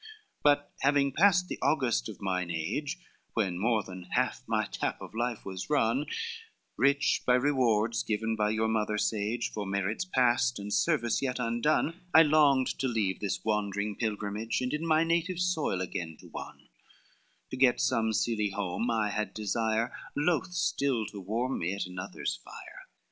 XXXIII "But having passed the August of mine age, When more than half my tap of life was run, Rich by rewards given by your mother sage, For merits past, and service yet undone, I longed to leave this wandering pilgrimage, And in my native soil again to won, To get some seely home I had desire, Loth still to warm me at another's fire.